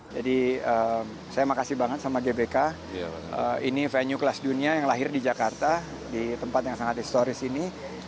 saya makasih banget sama gbk ini venue kelas dunia yang lahir di jakarta di tempat yang sangat historis ini